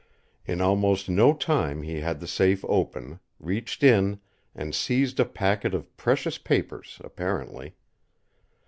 In almost no time he had the safe open, reached in, and seized a packet of precious papers, apparently.